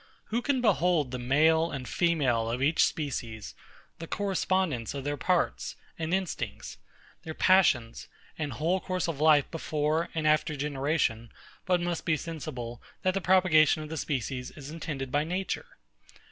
Who can behold the male and female of each species, the correspondence of their parts and instincts, their passions, and whole course of life before and after generation, but must be sensible, that the propagation of the species is intended by Nature?